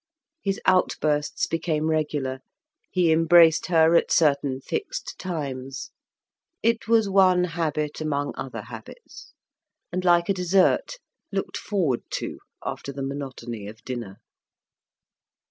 His outbursts became regular; he embraced her at certain fixed times. It was one habit among other habits, and, like a dessert, looked forward to after the monotony of dinner.